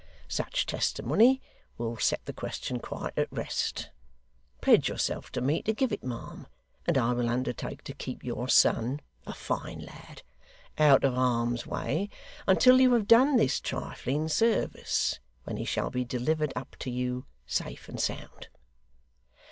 Such testimony will set the question quite at rest. Pledge yourself to me to give it, ma' am, and I will undertake to keep your son (a fine lad) out of harm's way until you have done this trifling service, when he shall be delivered up to you, safe and sound.